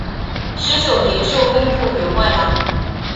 十九年授工部员外郎。